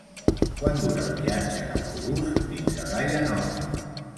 Quant dura el viatge en autobús fins a Daia Nova?